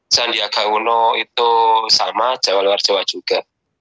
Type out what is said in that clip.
sandiaga uno itu sama jawa luar jawa juga